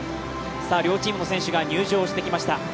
両チームの選手が入場してきました。